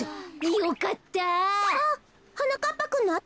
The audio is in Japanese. よかった。